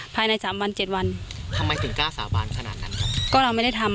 ภายในสามวันเจ็ดวันทำไมถึงกล้าสาบานขนาดนั้นครับก็เราไม่ได้ทำ